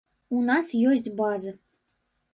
У нас ёсць базы.